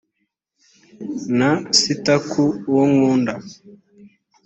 na sitaku uwo nkunda